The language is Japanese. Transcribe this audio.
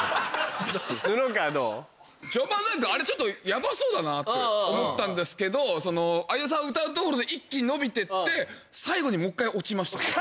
序盤なんかヤバそうだなって思ったんですけどその相田さん歌うところで一気に伸びてって最後にもう一回落ちました。